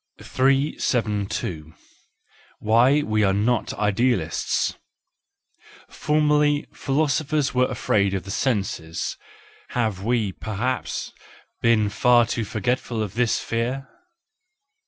.., 372 . Why we are not Idealists .—Formerly philosophers were afraid of the senses: have we, perhaps, been far too forgetful of this fear?